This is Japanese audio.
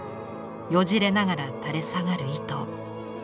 よじれながら垂れ下がる糸。